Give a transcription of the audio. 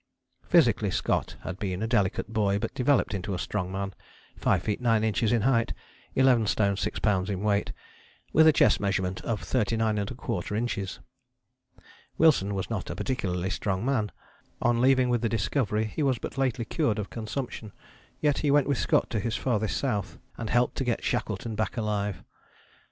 " Physically Scott had been a delicate boy but developed into a strong man, 5 feet 9 inches in height, 11 stone 6 lbs. in weight, with a chest measurement of 39¼ inches. Wilson was not a particularly strong man. On leaving with the Discovery he was but lately cured of consumption, yet he went with Scott to his farthest South, and helped to get Shackleton back alive.